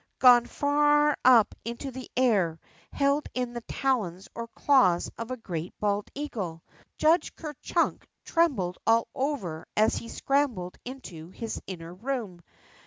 Gone far up into the air, held in the talons or claws of a great bald eagle. BOOM A ROOM^S RIDE 29 Judge 3{^er Cliunk trembled all over as he scram bled into bis inner room.